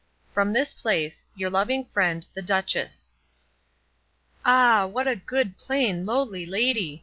From this place. Your loving friend, THE DUCHESS. "Ah, what a good, plain, lowly lady!"